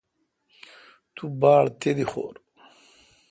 تو باڑ تیدی خور۔